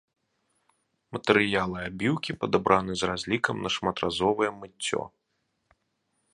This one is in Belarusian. Матэрыялы абіўкі падабраны з разлікам на шматразовае мыццё.